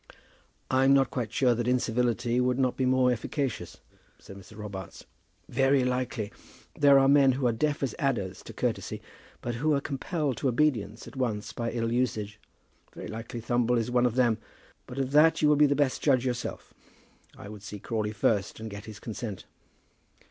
"I am not quite sure that incivility would not be more efficacious," said Mr. Robarts. "Very likely. There are men who are deaf as adders to courtesy, but who are compelled to obedience at once by ill usage. Very likely Thumble is one of them; but of that you will be the best judge yourself. I would see Crawley first, and get his consent."